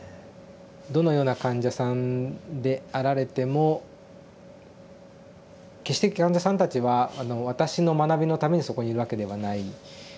どのような患者さんであられても決して患者さんたちは私の学びのためにそこにいるわけではない。